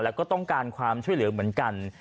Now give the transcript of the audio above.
แล้วก็ต้องการความช่วยเหลือเหมือนกัน